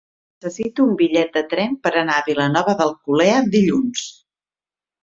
Necessito un bitllet de tren per anar a Vilanova d'Alcolea dilluns.